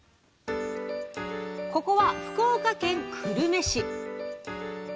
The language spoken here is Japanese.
ここは福岡県久留米市